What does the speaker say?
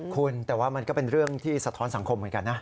คุณแต่ว่ามันก็เป็นเรื่องที่สะท้อนสังคมเหมือนกันนะ